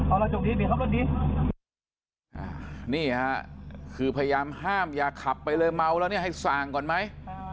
อ่านี่ฮะคือพยายามห้ามอย่าขับไปเลยเมาละเนี้ยให้สั่งก่อนไหม